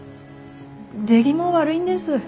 出来も悪いんです。